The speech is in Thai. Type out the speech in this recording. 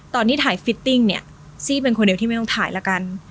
ตอนที่ถ่ายฟิตติ้งเนี่ยซี่เป็นคนเดียวที่ไม่ต้องถ่ายละกัน